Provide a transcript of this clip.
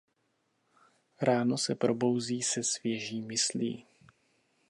Ráno se probouzí se svěží myslí.